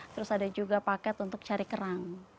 terus ada juga paket untuk cari kerang